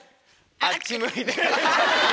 あっち向いて。